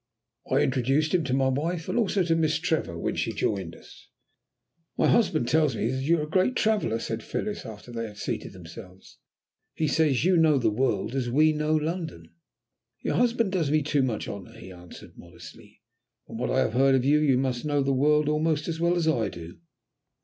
I introduced him to my wife, and also to Miss Trevor when she joined us. "My husband tells me that you are a great traveller," said Phyllis, after they had seated themselves. "He says you know the world as we know London." "Your husband does me too much honour," he answered modestly. "From what I have heard of you, you must know the world almost as well as I do.